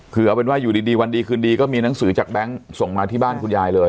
คือเอาเป็นว่าอยู่ดีวันดีคืนดีก็มีหนังสือจากแบงค์ส่งมาที่บ้านคุณยายเลย